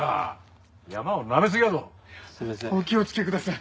お気をつけください。